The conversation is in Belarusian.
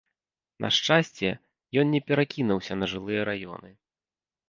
На шчасце, ён не перакінуўся на жылыя раёны.